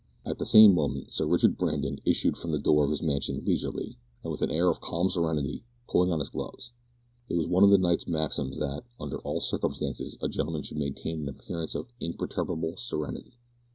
At the same moment Sir Richard Brandon issued from the door of his mansion leisurely, and with an air of calm serenity, pulling on his gloves. It was one of the knight's maxims that, under all circumstances, a gentleman should maintain an appearance of imperturbable serenity.